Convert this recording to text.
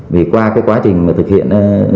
vì qua cái quá trình mà thực hiện